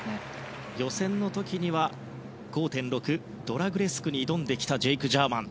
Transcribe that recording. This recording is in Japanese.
予選の時には５．６ドラグレスクに挑んできたジェイク・ジャーマン。